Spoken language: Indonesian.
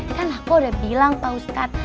kan aku udah bilang pak ustadz